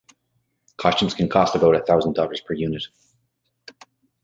Costumes can cost about a thousand dollars per unit.